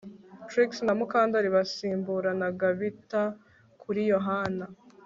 Trix na Mukandoli basimburanaga bita kuri Yohana